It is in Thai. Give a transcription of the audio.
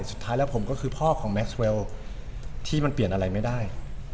สุดท้ายแล้วผมก็คือพ่อของแมสเวลที่มันเปลี่ยนอะไรไม่ได้